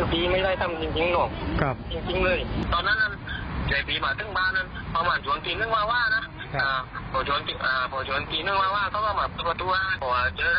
แต่มาปีเนี้ยเนี่ยปีก็ขึ้นแแล้วปีก็จำเวลาไม่ชัดเย็น